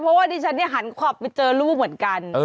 เพราะว่าดิฉันเนี่ยหันขอบไปเจอลูกเหมือนกัน